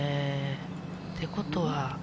ってことは。